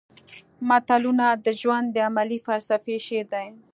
متلونه د ژوند د عملي فلسفې شعر دي